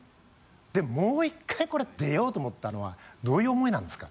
でももう１回これ出ようと思ったのはどういう思いなんですか？